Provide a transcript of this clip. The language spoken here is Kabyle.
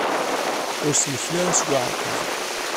Ur sellken ara seg uɛaqeb.